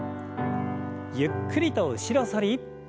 ゆっくりと後ろ反り。